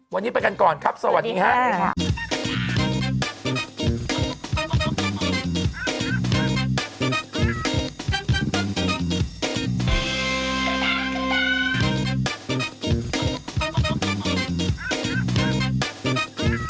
วันนี้ไปกันก่อนครับสวัสดีค่ะ